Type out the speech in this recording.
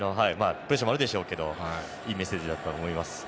プレッシャーもあるでしょうがいいメッセージだったと思います。